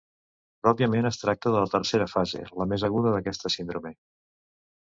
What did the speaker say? Pròpiament es tracta de la tercera fase, la més aguda d'aquesta síndrome.